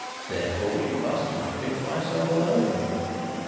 Therefore she must like me for myself alone.